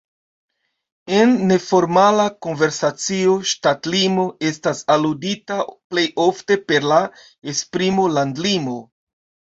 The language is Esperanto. En neformala konversacio ŝtatlimo estas aludita plej ofte per la esprimo landlimo.